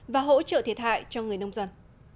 và hỗ trợ thiệt hại cho người nông dân